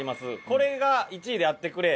「これが１位であってくれ」